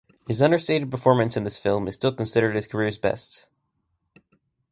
His understated performance in this film is still considered his career's best.